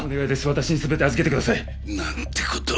私に全て預けてください。なんて事を。